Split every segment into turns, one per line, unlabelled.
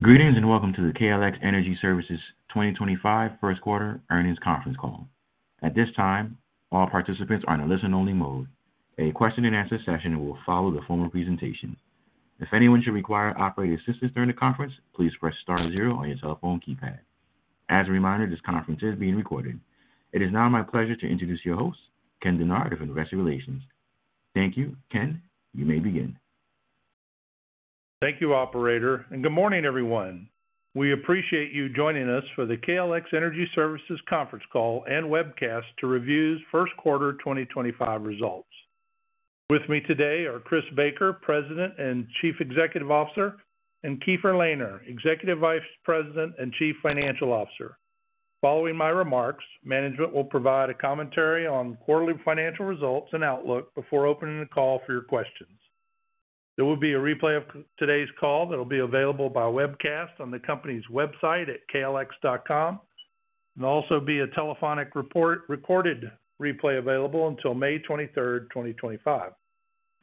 Greetings and welcome to the KLX Energy Services 2025 First Quarter Earnings Conference Call. At this time, all participants are in a listen-only mode. A question-and-answer session will follow the formal presentation. If anyone should require operator assistance during the conference, please press star zero on your telephone keypad. As a reminder, this conference is being recorded. It is now my pleasure to introduce your host, Ken Dennard, of Investor Relations. Thank you, Ken. You may begin.
Thank you, Operator. Good morning, everyone. We appreciate you joining us for the KLX Energy Services Conference Call and webcast to review First Quarter 2025 results. With me today are Chris Baker, President and Chief Executive Officer, and Keefer Lehner, Executive Vice President and Chief Financial Officer. Following my remarks, management will provide a commentary on quarterly financial results and outlook before opening the call for your questions. There will be a replay of today's call that will be available by webcast on the company's website at KLX.com. There will also be a telephonic recorded replay available until May 23rd, 2025.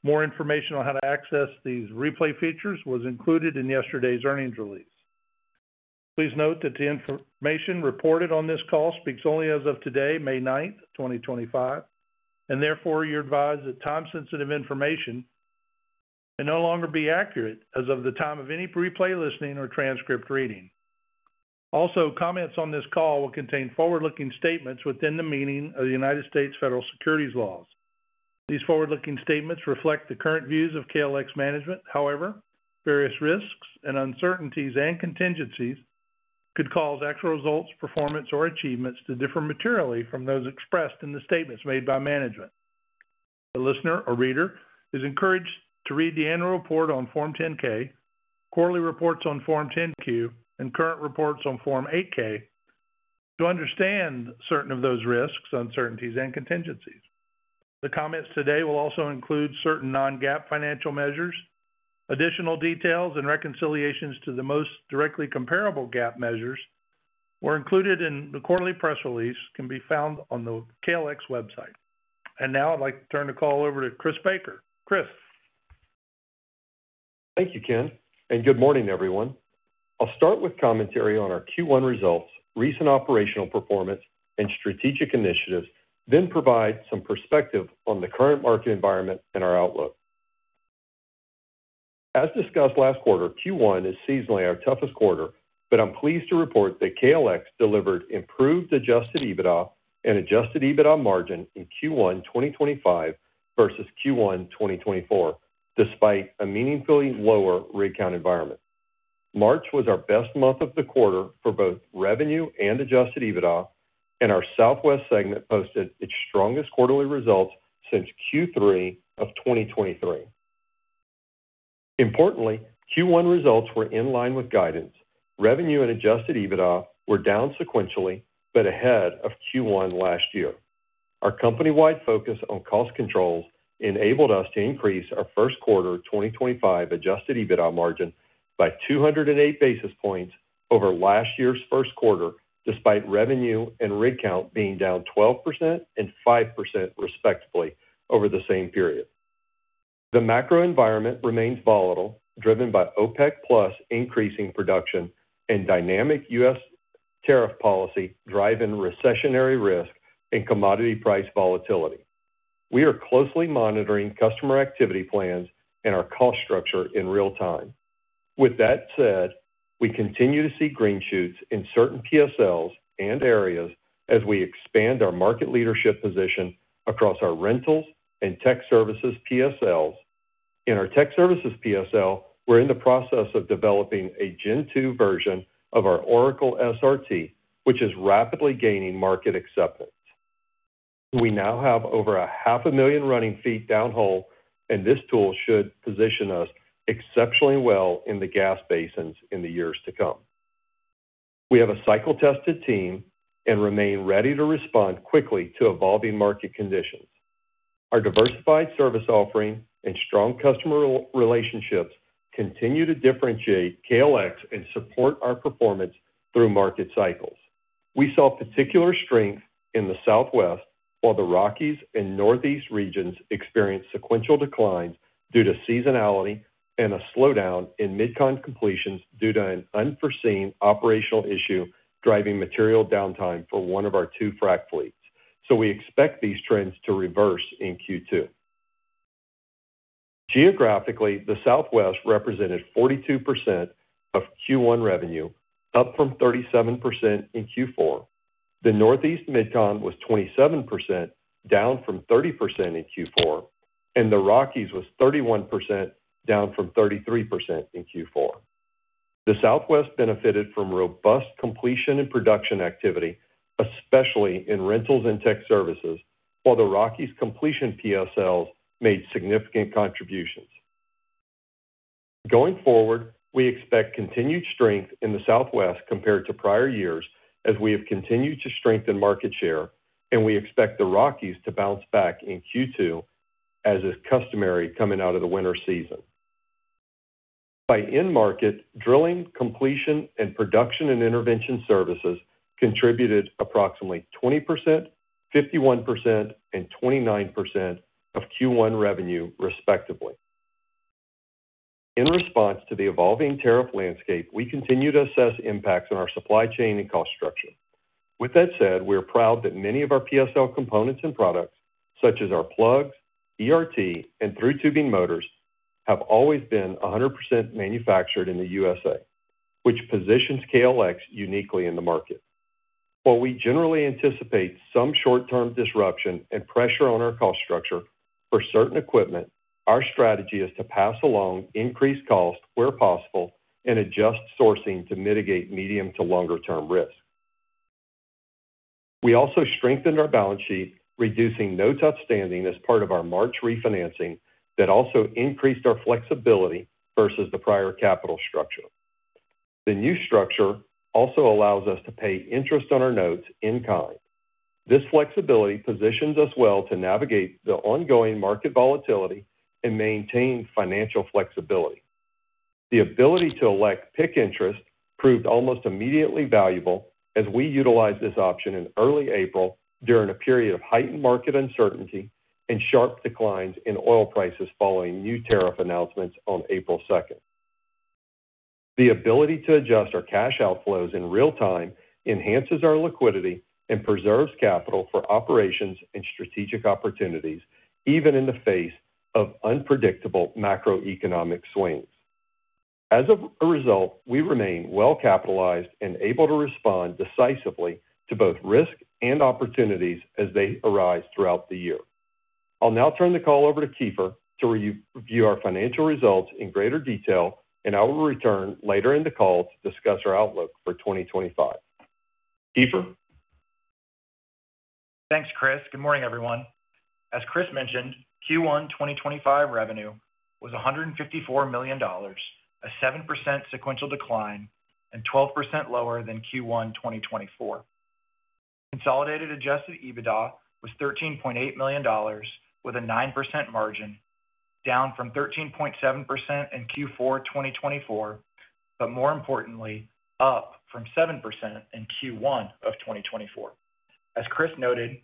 More information on how to access these replay features was included in yesterday's earnings release. Please note that the information reported on this call speaks only as of today, May 9th, 2025, and therefore you're advised that time-sensitive information may no longer be accurate as of the time of any replay listening or transcript reading. Also, comments on this call will contain forward-looking statements within the meaning of the U.S. Federal Securities Laws. These forward-looking statements reflect the current views of KLX Energy Services management. However, various risks and uncertainties and contingencies could cause actual results, performance, or achievements to differ materially from those expressed in the statements made by management. The listener or reader is encouraged to read the annual report on Form 10-K, quarterly reports on Form 10-Q, and current reports on Form 8-K to understand certain of those risks, uncertainties, and contingencies. The comments today will also include certain non-GAAP financial measures. Additional details and reconciliations to the most directly comparable GAAP measures were included in the quarterly press release and can be found on the KLX website. I would like to turn the call over to Chris Baker. Chris.
Thank you, Ken. Good morning, everyone. I'll start with commentary on our Q1 results, recent operational performance, and strategic initiatives, then provide some perspective on the current market environment and our outlook. As discussed last quarter, Q1 is seasonally our toughest quarter, but I'm pleased to report that KLX delivered improved adjusted EBITDA and adjusted EBITDA margin in Q1 2025 versus Q1 2024, despite a meaningfully lower rig count environment. March was our best month of the quarter for both revenue and adjusted EBITDA, and our Southwest segment posted its strongest quarterly results since Q3 of 2023. Importantly, Q1 results were in line with guidance. Revenue and adjusted EBITDA were down sequentially, but ahead of Q1 last year. Our company-wide focus on cost controls enabled us to increase our first quarter 2025 adjusted EBITDA margin by 208 basis points over last year's first quarter, despite revenue and rate count being down 12% and 5% respectively over the same period. The macro environment remains volatile, driven by OPEC+ increasing production and dynamic U.S. tariff policy driving recessionary risk and commodity price volatility. We are closely monitoring customer activity plans and our cost structure in real time. With that said, we continue to see green shoots in certain PSLs and areas as we expand our market leadership position across our rentals and tech services PSLs. In our tech services PSL, we're in the process of developing a Gen 2 version of our Oracle SRT, which is rapidly gaining market acceptance. We now have over 500,000 running feet down hole, and this tool should position us exceptionally well in the gas basins in the years to come. We have a cycle-tested team and remain ready to respond quickly to evolving market conditions. Our diversified service offering and strong customer relationships continue to differentiate KLX and support our performance through market cycles. We saw particular strength in the Southwest while the Rockies and Northeast regions experienced sequential declines due to seasonality and a slowdown in mid-con completions due to an unforeseen operational issue driving material downtime for one of our two frac fleets. We expect these trends to reverse in Q2. Geographically, the Southwest represented 42% of Q1 revenue, up from 37% in Q4. The Northeast mid-con was 27%, down from 30% in Q4, and the Rockies was 31%, down from 33% in Q4. The Southwest benefited from robust completion and production activity, especially in rentals and tech services, while the Rockies' completion PSLs made significant contributions. Going forward, we expect continued strength in the Southwest compared to prior years as we have continued to strengthen market share, and we expect the Rockies to bounce back in Q2, as is customary coming out of the winter season. By end market, drilling, completion, and production and intervention services contributed approximately 20%, 51%, and 29% of Q1 revenue, respectively. In response to the evolving tariff landscape, we continue to assess impacts on our supply chain and cost structure. With that said, we are proud that many of our PSL components and products, such as our plugs, ERT, and thru-tubing motors, have always been 100% manufactured in the USA, which positions KLX uniquely in the market. While we generally anticipate some short-term disruption and pressure on our cost structure for certain equipment, our strategy is to pass along increased cost where possible and adjust sourcing to mitigate medium to longer-term risk. We also strengthened our balance sheet, reducing notes outstanding as part of our March refinancing that also increased our flexibility versus the prior capital structure. The new structure also allows us to pay interest on our notes in kind. This flexibility positions us well to navigate the ongoing market volatility and maintain financial flexibility. The ability to elect PIK interest proved almost immediately valuable as we utilized this option in early April during a period of heightened market uncertainty and sharp declines in oil prices following new tariff announcements on April 2. The ability to adjust our cash outflows in real time enhances our liquidity and preserves capital for operations and strategic opportunities, even in the face of unpredictable macroeconomic swings. As a result, we remain well capitalized and able to respond decisively to both risk and opportunities as they arise throughout the year. I'll now turn the call over to Keefer to review our financial results in greater detail, and I will return later in the call to discuss our outlook for 2025. Keefer.
Thanks, Chris. Good morning, everyone. As Chris mentioned, Q1 2025 revenue was $154 million, a 7% sequential decline and 12% lower than Q1 2024. Consolidated adjusted EBITDA was $13.8 million, with a 9% margin, down from 13.7% in Q4 2024, but more importantly, up from 7% in Q1 of 2024. As Chris noted,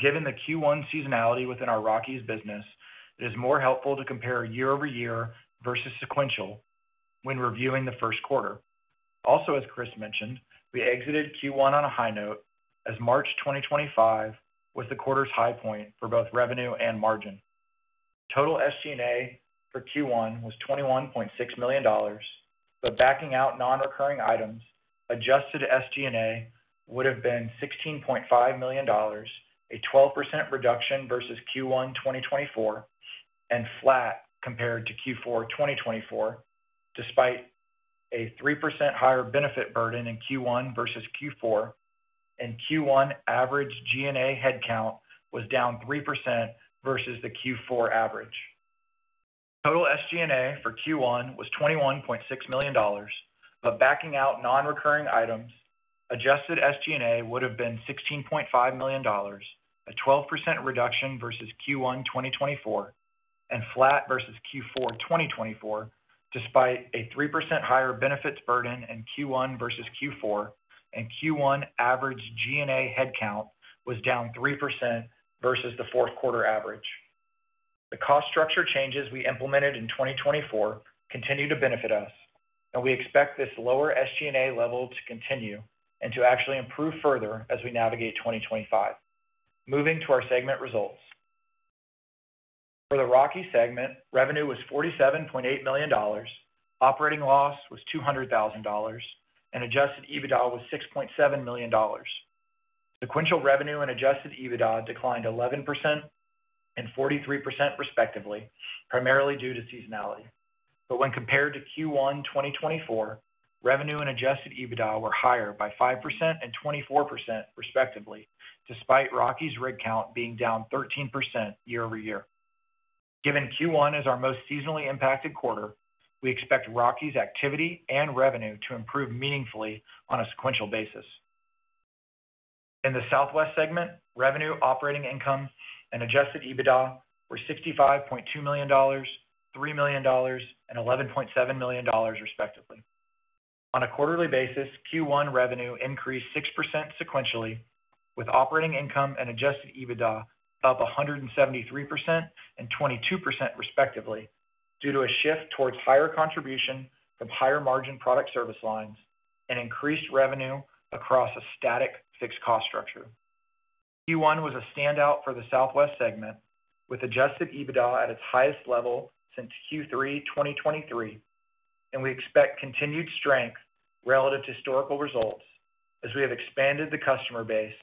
given the Q1 seasonality within our Rockies business, it is more helpful to compare year over year versus sequential when reviewing the first quarter. Also, as Chris mentioned, we exited Q1 on a high note as March 2025 was the quarter's high point for both revenue and margin. Total SG&A for Q1 was $21.6 million, but backing out non-recurring items, adjusted SG&A would have been $16.5 million, a 12% reduction versus Q1 2024, and flat compared to Q4 2024, despite a 3% higher benefit burden in Q1 versus Q4, and Q1 average G&A headcount was down 3% versus the Q4 average. The cost structure changes we implemented in 2024 continue to benefit us, and we expect this lower SG&A level to continue and to actually improve further as we navigate 2025. Moving to our segment results. For the Rockies segment, revenue was $47.8 million, operating loss was $200,000, and adjusted EBITDA was $6.7 million. Sequential revenue and adjusted EBITDA declined 11% and 43%, respectively, primarily due to seasonality. However, when compared to Q1 2024, revenue and adjusted EBITDA were higher by 5% and 24%, respectively, despite Rockies' rig count being down 13% year-over-year. Given Q1 is our most seasonally impacted quarter, we expect Rockies' activity and revenue to improve meaningfully on a sequential basis. In the Southwest segment, revenue, operating income, and adjusted EBITDA were $65.2 million, $3 million, and $11.7 million, respectively. On a quarterly basis, Q1 revenue increased 6% sequentially, with operating income and adjusted EBITDA up 173% and 22%, respectively, due to a shift towards higher contribution from higher margin product service lines and increased revenue across a static fixed cost structure. Q1 was a standout for the Southwest segment, with adjusted EBITDA at its highest level since Q3 2023, and we expect continued strength relative to historical results as we have expanded the customer base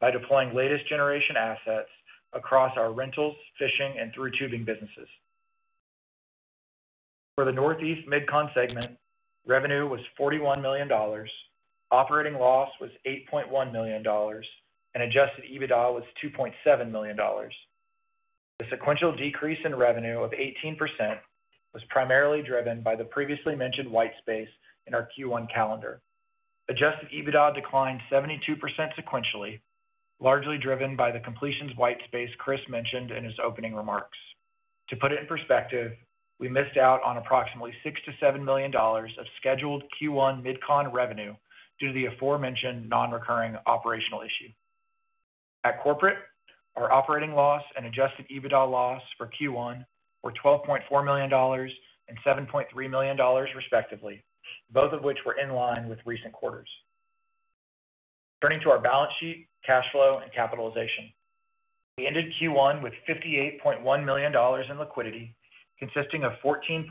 by deploying latest generation assets across our rentals, fishing, and thru-tubing businesses. For the Northeast mid-con segment, revenue was $41 million, operating loss was $8.1 million, and adjusted EBITDA was $2.7 million. The sequential decrease in revenue of 18% was primarily driven by the previously mentioned white space in our Q1 calendar. Adjusted EBITDA declined 72% sequentially, largely driven by the completions white space Chris mentioned in his opening remarks. To put it in perspective, we missed out on approximately $6-$7 million of scheduled Q1 mid-con revenue due to the aforementioned non-recurring operational issue. At corporate, our operating loss and adjusted EBITDA loss for Q1 were $12.4 million and $7.3 million, respectively, both of which were in line with recent quarters. Turning to our balance sheet, cash flow, and capitalization. We ended Q1 with $58.1 million in liquidity, consisting of $14.6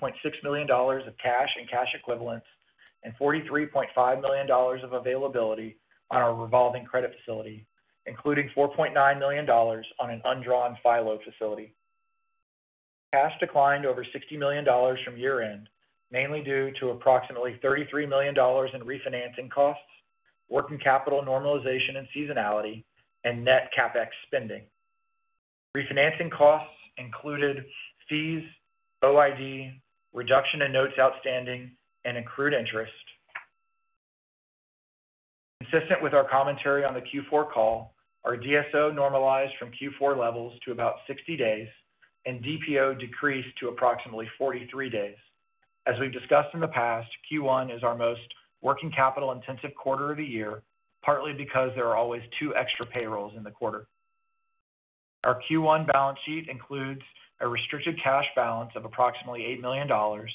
million of cash and cash equivalents and $43.5 million of availability on our revolving credit facility, including $4.9 million on an undrawn FILO facility. Cash declined over $60 million from year-end, mainly due to approximately $33 million in refinancing costs, working capital normalization and seasonality, and net CapEx spending. Refinancing costs included fees, OID, reduction in notes outstanding, and accrued interest. Consistent with our commentary on the Q4 call, our DSO normalized from Q4 levels to about 60 days, and DPO decreased to approximately 43 days. As we've discussed in the past, Q1 is our most working capital intensive quarter of the year, partly because there are always two extra payrolls in the quarter. Our Q1 balance sheet includes a restricted cash balance of approximately $8 million,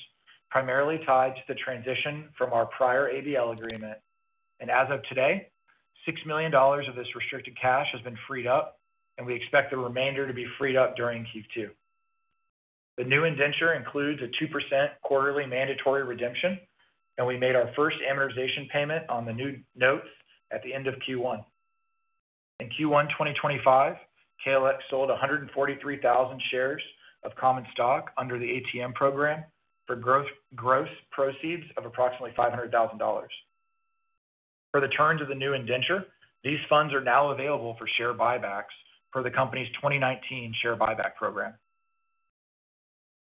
primarily tied to the transition from our prior ABL agreement, and as of today, $6 million of this restricted cash has been freed up, and we expect the remainder to be freed up during Q2. The new indenture includes a 2% quarterly mandatory redemption, and we made our first amortization payment on the new notes at the end of Q1. In Q1 2025, KLX Energy Services sold 143,000 shares of common stock under the ATM program for gross proceeds of approximately $500,000. For the terms of the new indenture, these funds are now available for share buybacks for the company's 2019 share buyback program.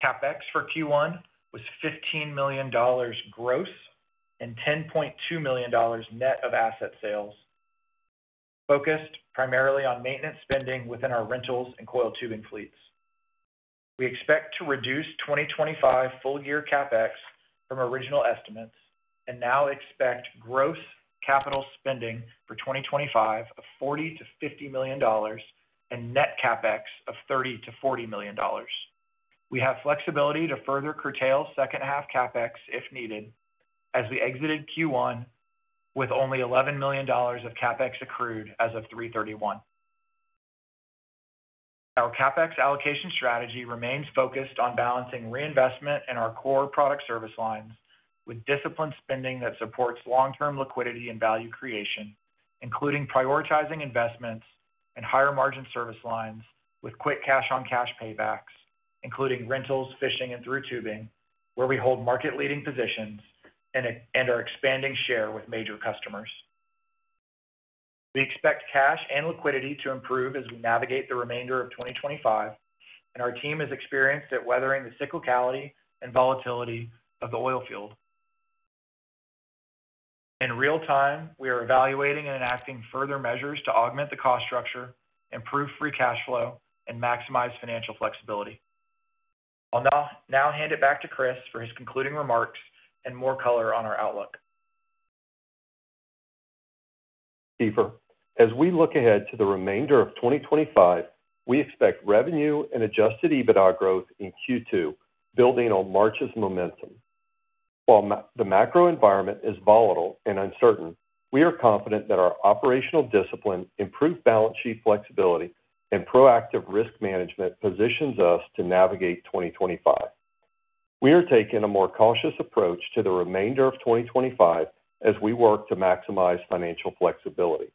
CapEx for Q1 was $15 million gross and $10.2 million net of asset sales, focused primarily on maintenance spending within our rentals and coiled tubing fleets. We expect to reduce 2025 full-year CapEx from original estimates and now expect gross capital spending for 2025 of $40 million-$50 million and net CapEx of $30 million-$40 million. We have flexibility to further curtail second-half CapEx if needed as we exited Q1 with only $11 million of CapEx accrued as of March 31, 2025. Our CapEx allocation strategy remains focused on balancing reinvestment in our core product service lines with disciplined spending that supports long-term liquidity and value creation, including prioritizing investments in higher margin service lines with quick cash-on-cash paybacks, including rentals, fishing, and thru-tubing, where we hold market-leading positions and are expanding share with major customers. We expect cash and liquidity to improve as we navigate the remainder of 2025, and our team is experienced at weathering the cyclicality and volatility of the oil field. In real time, we are evaluating and enacting further measures to augment the cost structure, improve free cash flow, and maximize financial flexibility. I'll now hand it back to Chris for his concluding remarks and more color on our outlook.
Keefer, as we look ahead to the remainder of 2025, we expect revenue and adjusted EBITDA growth in Q2, building on March's momentum. While the macro environment is volatile and uncertain, we are confident that our operational discipline, improved balance sheet flexibility, and proactive risk management positions us to navigate 2025. We are taking a more cautious approach to the remainder of 2025 as we work to maximize financial flexibility.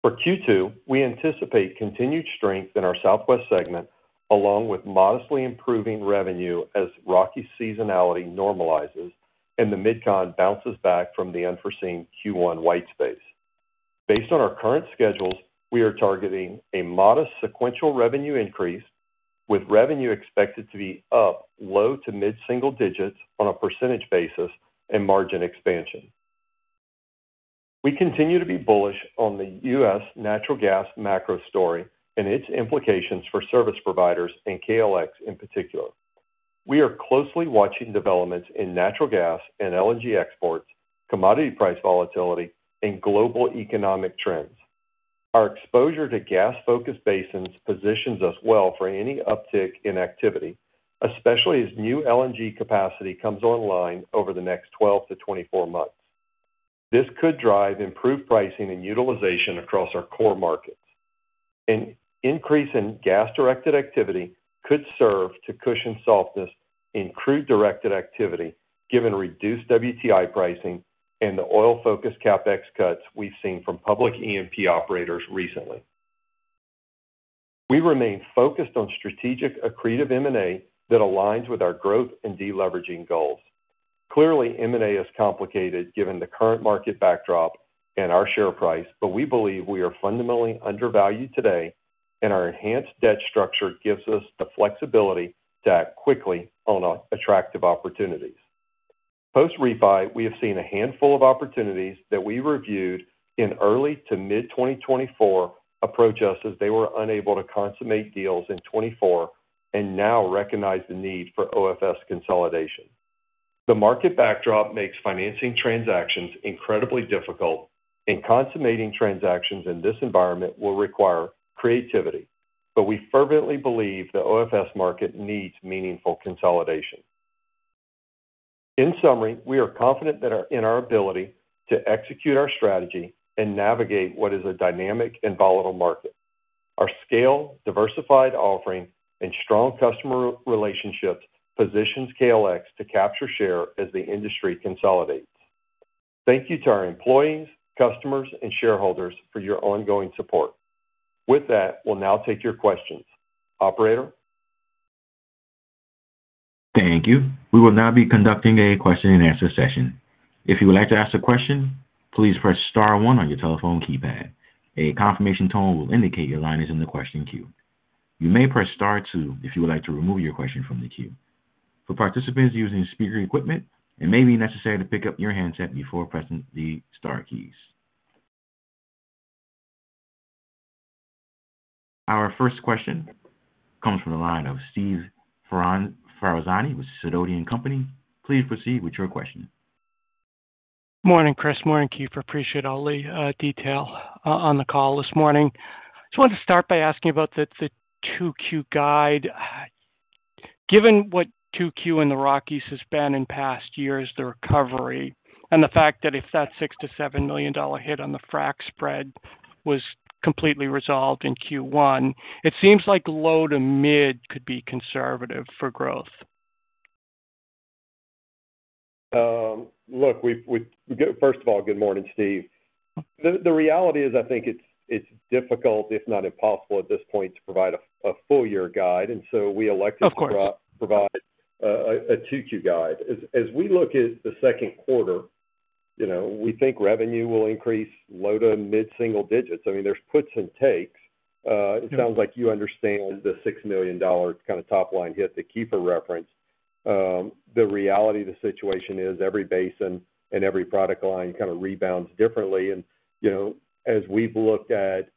For Q2, we anticipate continued strength in our Southwest segment, along with modestly improving revenue as Rockies seasonality normalizes and the mid-con bounces back from the unforeseen Q1 white space. Based on our current schedules, we are targeting a modest sequential revenue increase, with revenue expected to be up low-to-mid-single-digits on a percentage basis and margin expansion. We continue to be bullish on the U.S. natural gas macro story and its implications for service providers and KLX in particular. We are closely watching developments in natural gas and LNG exports, commodity price volatility, and global economic trends. Our exposure to gas-focused basins positions us well for any uptick in activity, especially as new LNG capacity comes online over the next 12 to 24 months. This could drive improved pricing and utilization across our core markets. An increase in gas-directed activity could serve to cushion softness in crude-directed activity, given reduced WTI pricing and the oil-focused CapEx cuts we've seen from public EMP operators recently. We remain focused on strategic accretive M&A that aligns with our growth and deleveraging goals. Clearly, M&A is complicated given the current market backdrop and our share price, but we believe we are fundamentally undervalued today, and our enhanced debt structure gives us the flexibility to act quickly on attractive opportunities. Post-refi, we have seen a handful of opportunities that we reviewed in early to mid-2024 approach us as they were unable to consummate deals in 2024 and now recognize the need for OFS consolidation. The market backdrop makes financing transactions incredibly difficult, and consummating transactions in this environment will require creativity, but we fervently believe the OFS market needs meaningful consolidation. In summary, we are confident in our ability to execute our strategy and navigate what is a dynamic and volatile market. Our scale, diversified offering, and strong customer relationships position KLX to capture share as the industry consolidates. Thank you to our employees, customers, and shareholders for your ongoing support. With that, we'll now take your questions. Operator?
Thank you. We will now be conducting a question-and-answer session. If you would like to ask a question, please press star one on your telephone keypad. A confirmation tone will indicate your line is in the question queue. You may press star 2 if you would like to remove your question from the queue. For participants using speaker equipment, it may be necessary to pick up your handset before pressing the star keys. Our first question comes from the line of Steve Ferazani with Sidoti & Company. Please proceed with your question.
Morning, Chris. Morning, Keefer. Appreciate all the detail on the call this morning. Just wanted to start by asking about the 2Q guide. Given what 2Q in the Rockies has been in past years, the recovery, and the fact that if that $6 million-$7 million hit on the frac spread was completely resolved in Q1, it seems like low-to-mid could be conservative for growth.
Look, first of all, good morning, Steve. The reality is I think it's difficult, if not impossible, at this point to provide a full-year guide, and so we elected to provide a 2Q guide. As we look at the second quarter, we think revenue will increase low-to-mid-single-digits. I mean, there's puts and takes. It sounds like you understand the $6 million kind of top-line hit that Keefer referenced. The reality of the situation is every basin and every product line kind of rebounds differently. As we've looked at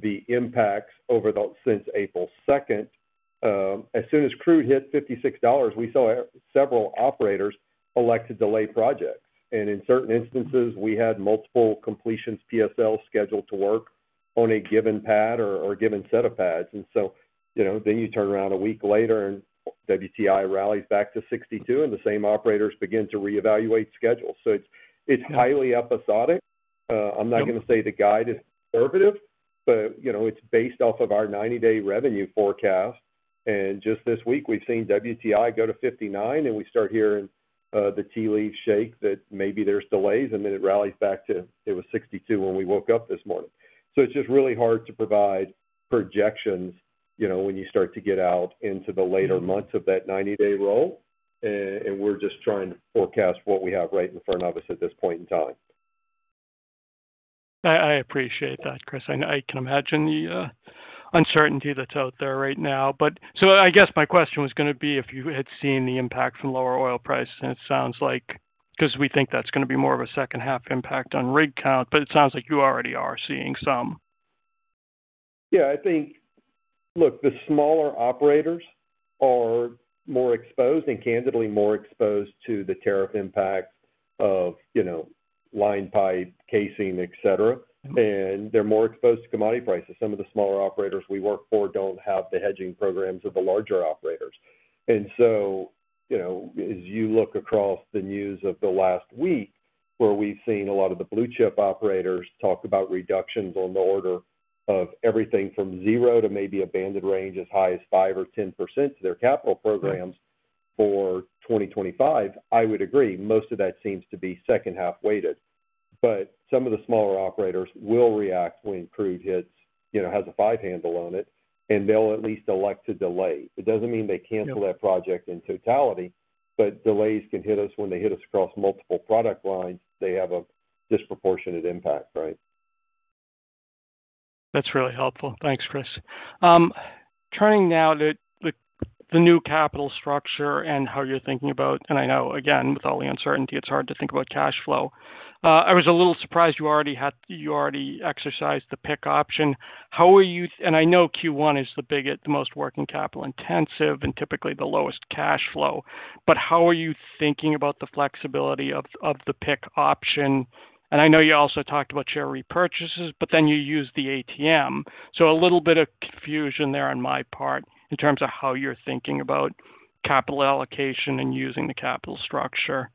the impacts since April 2, as soon as crude hit $56, we saw several operators elect to delay projects. In certain instances, we had multiple completions PSL scheduled to work on a given pad or a given set of pads. Then you turn around a week later and WTI rallies back to $62, and the same operators begin to reevaluate schedules. It is highly episodic. I'm not going to say the guide is conservative, but it is based off of our 90-day revenue forecast. Just this week, we've seen WTI go to $59, and we start hearing the tea leaves shake that maybe there's delays, and then it rallies back to it was $62 when we woke up this morning. It is just really hard to provide projections when you start to get out into the later months of that 90-day roll, and we're just trying to forecast what we have right in front of us at this point in time.
I appreciate that, Chris. I can imagine the uncertainty that's out there right now. I guess my question was going to be if you had seen the impact from lower oil prices, and it sounds like because we think that's going to be more of a second-half impact on rig count, but it sounds like you already are seeing some.
Yeah. I think, look, the smaller operators are more exposed and candidly more exposed to the tariff impact of line pipe, casing, etc., and they're more exposed to commodity prices. Some of the smaller operators we work for don't have the hedging programs of the larger operators. As you look across the news of the last week, where we've seen a lot of the blue chip operators talk about reductions on the order of everything from zero to maybe a banded range as high as 5% or 10% to their capital programs for 2025, I would agree. Most of that seems to be second-half weighted. Some of the smaller operators will react when crude has a five-handle on it, and they'll at least elect to delay. It doesn't mean they cancel that project in totality, but delays can hit us when they hit us across multiple product lines. They have a disproportionate impact, right?
That's really helpful. Thanks, Chris. Turning now to the new capital structure and how you're thinking about, and I know, again, with all the uncertainty, it's hard to think about cash flow. I was a little surprised you already exercised the pick option. I know Q1 is the most working capital intensive and typically the lowest cash flow, but how are you thinking about the flexibility of the pick option? I know you also talked about share repurchases, but then you use the ATM. A little bit of confusion there on my part in terms of how you're thinking about capital allocation and using the capital structure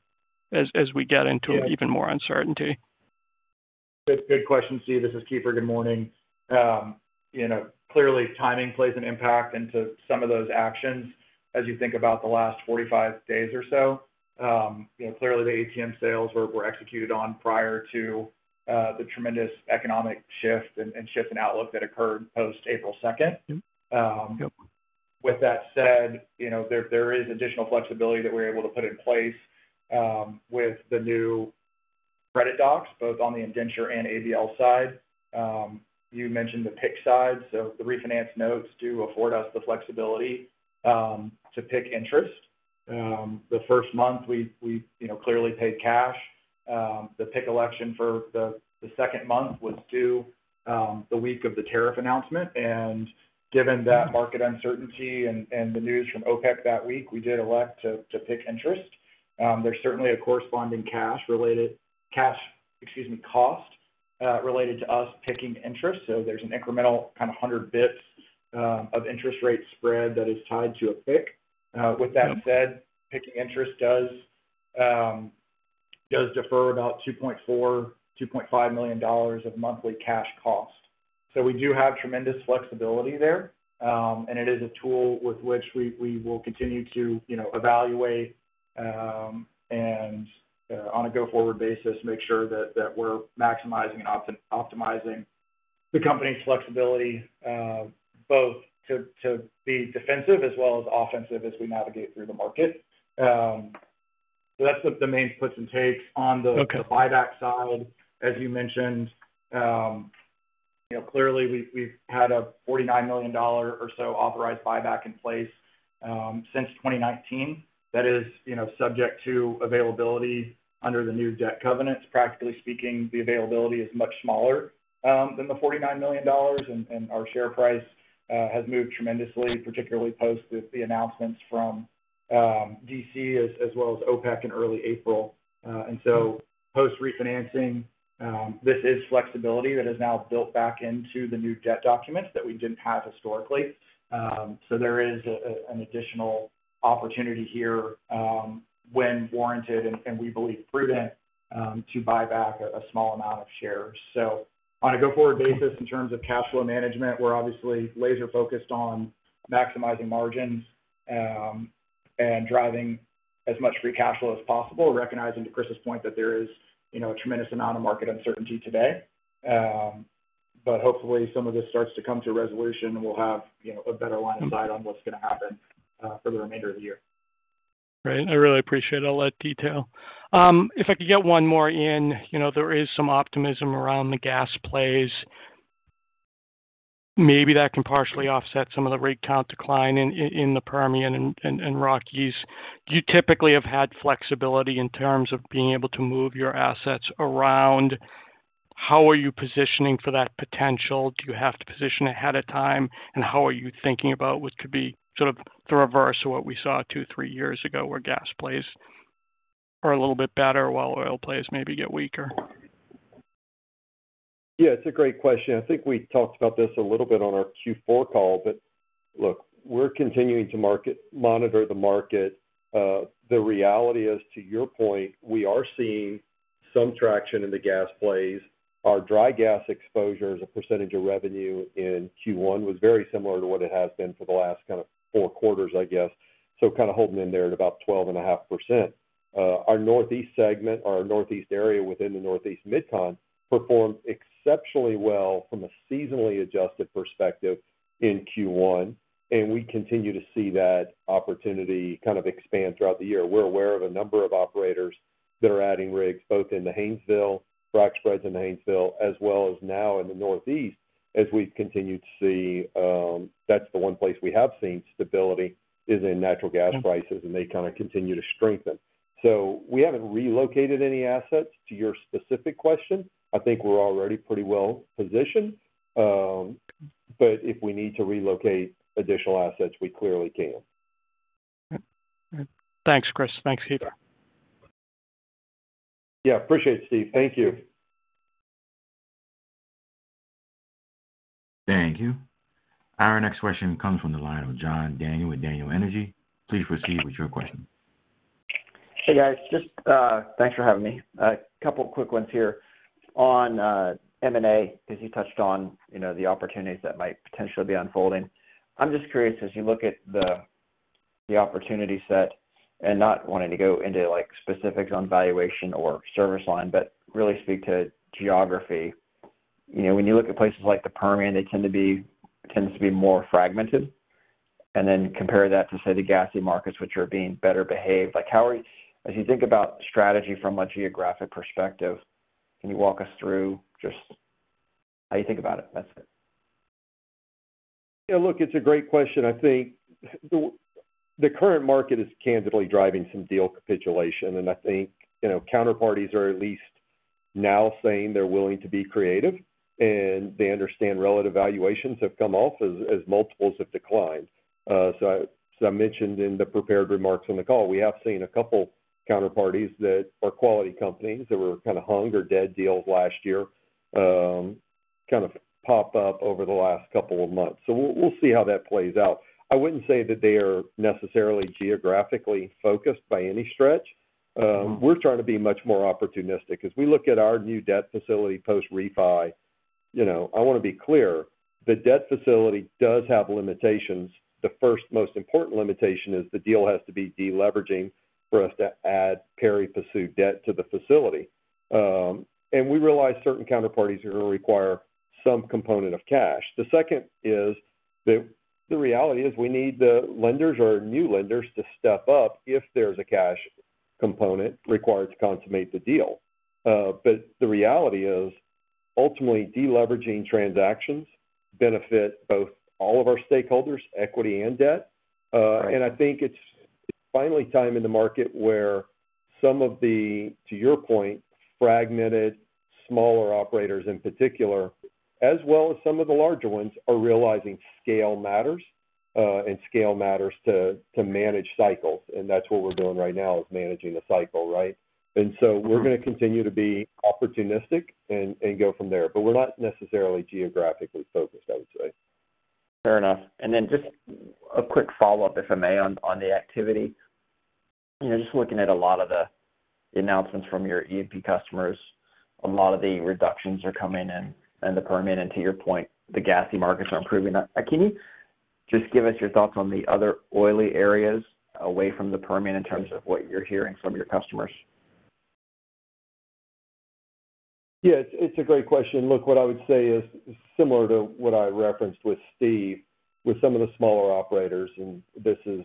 as we get into even more uncertainty.
Good question, Steve. This is Keefer. Good morning. Clearly, timing plays an impact into some of those actions as you think about the last 45 days or so. Clearly, the ATM sales were executed on prior to the tremendous economic shift and outlook that occurred post-April 2nd. With that said, there is additional flexibility that we're able to put in place with the new credit docs, both on the indenture and ABL side. You mentioned the pick side, so the refinance notes do afford us the flexibility to pick interest. The first month, we clearly paid cash. The pick election for the second month was due the week of the tariff announcement. Given that market uncertainty and the news from OPEC that week, we did elect to pick interest. There is certainly a corresponding cash cost related to us picking interest. There is an incremental kind of 100 basis points of interest rate spread that is tied to a pick. With that said, picking interest does defer about $2.4 million-$2.5 million of monthly cash cost. We do have tremendous flexibility there, and it is a tool with which we will continue to evaluate and, on a go-forward basis, make sure that we are maximizing and optimizing the company's flexibility, both to be defensive as well as offensive as we navigate through the market. That is the main puts and takes. On the buyback side, as you mentioned, clearly, we have had a $49 million or so authorized buyback in place since 2019. That is subject to availability under the new debt covenants. Practically speaking, the availability is much smaller than the $49 million, and our share price has moved tremendously, particularly post the announcements from DC as well as OPEC in early April. Post-refinancing, this is flexibility that is now built back into the new debt documents that we did not have historically. There is an additional opportunity here when warranted and we believe prudent to buy back a small amount of shares. On a go-forward basis, in terms of cash flow management, we are obviously laser-focused on maximizing margins and driving as much free cash flow as possible, recognizing to Chris's point that there is a tremendous amount of market uncertainty today. Hopefully, some of this starts to come to a resolution, and we will have a better line of sight on what is going to happen for the remainder of the year.
Great. I really appreciate all that detail. If I could get one more in, there is some optimism around the gas plays. Maybe that can partially offset some of the rig count decline in the Permian and Rockies. You typically have had flexibility in terms of being able to move your assets around. How are you positioning for that potential? Do you have to position ahead of time, and how are you thinking about what could be sort of the reverse of what we saw two, three years ago where gas plays are a little bit better while oil plays maybe get weaker?
Yeah. It's a great question. I think we talked about this a little bit on our Q4 call, but look, we're continuing to monitor the market. The reality is, to your point, we are seeing some traction in the gas plays. Our dry gas exposure as a percentage of revenue in Q1 was very similar to what it has been for the last kind of four quarters, I guess. So kind of holding in there at about 12.5%. Our Northeast segment or our Northeast area within the Northeast Midcon performed exceptionally well from a seasonally adjusted perspective in Q1, and we continue to see that opportunity kind of expand throughout the year. We're aware of a number of operators that are adding rigs both in the Haynesville, frac spreads in the Haynesville, as well as now in the Northeast, as we've continued to see. That's the one place we have seen stability is in natural gas prices, and they kind of continue to strengthen. We haven't relocated any assets. To your specific question, I think we're already pretty well positioned, but if we need to relocate additional assets, we clearly can.
Thanks, Chris. Thanks, Keefer.
Yeah. Appreciate it, Steve. Thank you.
Thank you. Our next question comes from the line of John Daniel with Daniel Energy. Please proceed with your question.
Hey, guys. Just thanks for having me. A couple of quick ones here on M&A because you touched on the opportunities that might potentially be unfolding. I'm just curious, as you look at the opportunity set and not wanting to go into specifics on valuation or service line, but really speak to geography, when you look at places like the Permian, they tend to be more fragmented. Then compare that to, say, the gassy markets, which are being better behaved. As you think about strategy from a geographic perspective, can you walk us through just how you think about it? That's it.
Yeah. Look, it's a great question. I think the current market is candidly driving some deal capitulation, and I think counterparties are at least now saying they're willing to be creative, and they understand relative valuations have come off as multiples have declined. I mentioned in the prepared remarks on the call, we have seen a couple of counterparties that are quality companies that were kind of hung or dead deals last year kind of pop up over the last couple of months. We'll see how that plays out. I wouldn't say that they are necessarily geographically focused by any stretch. We're trying to be much more opportunistic. As we look at our new debt facility post-refi, I want to be clear. The debt facility does have limitations. The first most important limitation is the deal has to be deleveraging for us to add pari-passu debt to the facility. We realize certain counterparties are going to require some component of cash. The second is that the reality is we need the lenders or new lenders to step up if there's a cash component required to consummate the deal. The reality is ultimately deleveraging transactions benefit both all of our stakeholders, equity and debt. I think it's finally time in the market where some of the, to your point, fragmented smaller operators in particular, as well as some of the larger ones, are realizing scale matters and scale matters to manage cycles. That's what we're doing right now is managing the cycle, right? We're going to continue to be opportunistic and go from there, but we're not necessarily geographically focused, I would say.
Fair enough. Just a quick follow-up, if I may, on the activity. Just looking at a lot of the announcements from your E&P customers, a lot of the reductions are coming in the Permian, and to your point, the gassy markets are improving. Can you just give us your thoughts on the other oily areas away from the Permian in terms of what you're hearing from your customers?
Yeah. It's a great question. Look, what I would say is similar to what I referenced with Steve with some of the smaller operators, and this is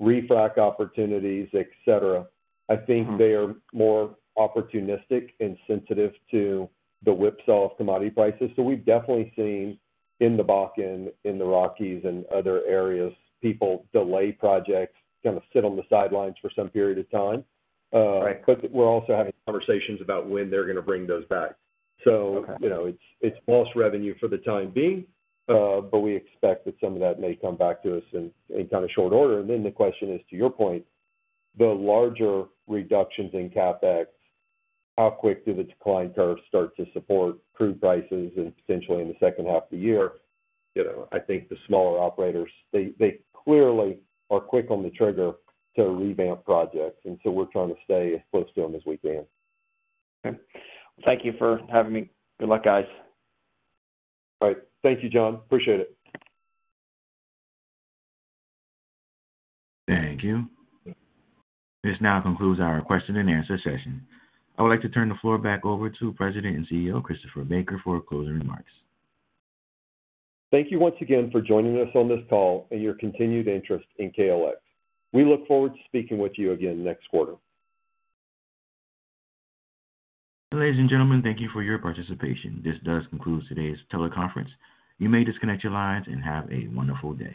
refrac opportunities, etc. I think they are more opportunistic and sensitive to the whipsaw of commodity prices. We've definitely seen in the Bakken, in the Rockies, and other areas, people delay projects, kind of sit on the sidelines for some period of time. We're also having conversations about when they're going to bring those back. It's lost revenue for the time being, but we expect that some of that may come back to us in kind of short order. The question is, to your point, the larger reductions in CapEx, how quick do the decline curves start to support crude prices and potentially in the second half of the year? I think the smaller operators, they clearly are quick on the trigger to revamp projects. We are trying to stay as close to them as we can.
Okay. Thank you for having me. Good luck, guys.
All right. Thank you, John. Appreciate it.
Thank you. This now concludes our question and answer session. I would like to turn the floor back over to President and CEO Chris Baker for closing remarks.
Thank you once again for joining us on this call and your continued interest in KLX. We look forward to speaking with you again next quarter.
Ladies and gentlemen, thank you for your participation. This does conclude today's teleconference. You may disconnect your lines and have a wonderful day.